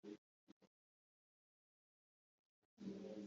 ishoborabyose ku mwitero we ni ukuvuga ku kibero